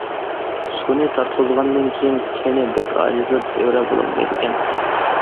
سۇنى تارتقۇزغاندىن كېيىن تېنى بەك ئاجىزلاپ ئۆرە بولالمايدىكەن.